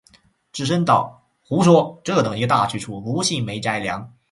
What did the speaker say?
智深道：“胡说，这等一个大去处，不信没斋粮。